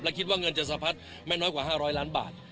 และคิดว่าเงินจะสะพัดไม่น้อยกว่า๕๐๐ล้านบาท